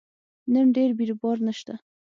نن ډېر بیروبار نشته